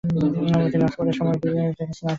তিনি অক্সফোর্ডের সোমারভিল কলেজ থেকে স্নাতকোত্তর করেন।